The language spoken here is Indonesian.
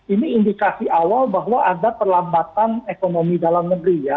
ini indikasi awal bahwa ada perlambatan ekonomi dalam negeri ya